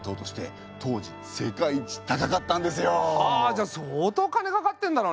じゃあ相当金かかってんだろうね。